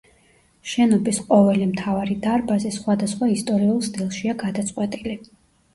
შენობის ყოველი მთავარი დარბაზი სხვადასხვა ისტორიულ სტილშია გადაწყვეტილი.